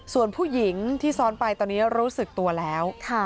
ส่วนผู้หญิงที่ซ้อนไปตอนนี้รู้สึกตัวแล้ว